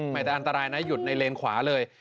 ไม่แต่อันตรายนะหยุดในเลนซ์ขวาเลย